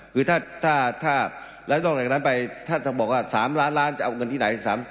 คือถ้าแล้วนอกจากนั้นไปท่านต้องบอกว่า๓ล้านล้านจะเอาเงินที่ไหน